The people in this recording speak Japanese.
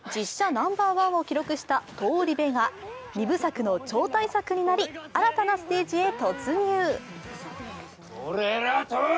ナンバーワンを記録した「東リベ」が２部作の超大作になり新たなステージへ突入。